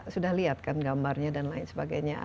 sudah lihat kan gambarnya dan lain sebagainya